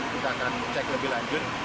kita akan cek lebih lanjut